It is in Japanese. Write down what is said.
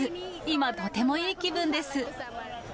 今、とてもいい気分です。